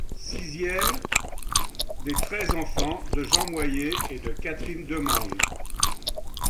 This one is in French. Sixième des treize enfants de Jean Moyë et de Catherine Demange.